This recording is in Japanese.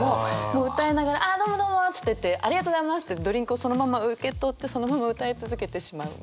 もう歌いながらあっ「どうもどうも」つって「ありがとうございます」ってドリンクをそのまま受け取ってそのまま歌い続けてしまう。